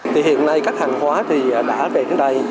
thì hiện nay các hàng hóa thì đã về đến đây